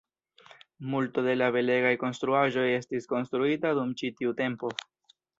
Multo de la belegaj konstruaĵoj estis konstruita dum ĉi tiu tempo.